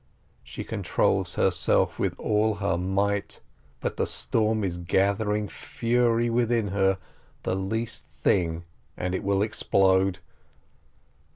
She con trols herself with all her might, but the storm is gathering fury within her. The least thing, and it will explode.